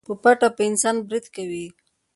په پټه په انسان بريد کوي.